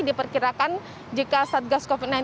diperkirakan jika saat gas covid sembilan belas